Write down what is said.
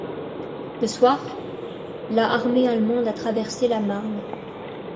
Le soir, la Armée allemande a traversé la Marne.